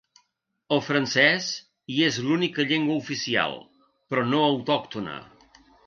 El francès hi és l'única llengua oficial, però no autòctona.